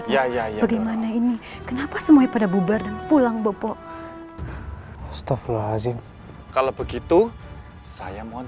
ya ya ya gimana ini kenapa semuanya pada bubar pulang bopo staflazim kalau begitu saya mohon